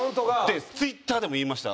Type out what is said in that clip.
Ｔｗｉｔｔｅｒでも言いました。